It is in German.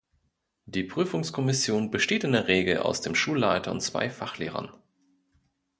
Die Prüfungskommission besteht in der Regel aus dem Schulleiter und zwei Fachlehrern.